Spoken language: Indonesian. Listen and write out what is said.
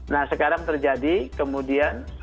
nah sekarang terjadi